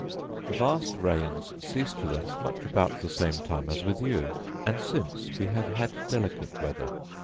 The vast rains ceased with us much about the same time as with you, and since we have had delicate weather.